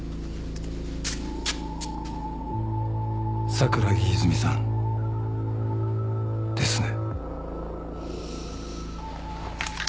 桜木泉さんですね。